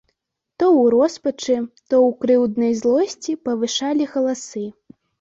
То ў роспачы, то ў крыўднай злосці павышалі галасы.